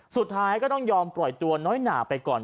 สุดท้ายก็ต้องยอมปล่อยตัวน้อยหนาไปก่อน